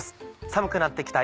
寒くなって来た